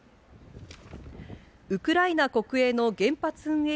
ウクライナ国営の原発運営